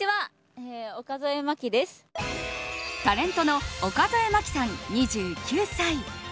タレントの岡副麻希さん、２９歳。